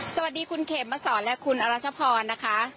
สวัสดีคุณเขมมาสอนและคุณอรัชพรนะคะ